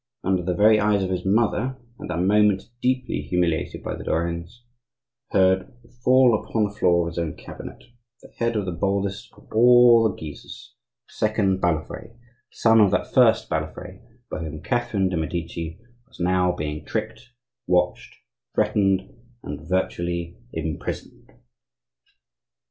under the very eyes of his mother, at that moment deeply humiliated by the Lorrains, heard fall upon the floor of his own cabinet, the head of the boldest of all the Guises, the second Balafre, son of that first Balafre by whom Catherine de' Medici was now being tricked, watched, threatened, and virtually imprisoned.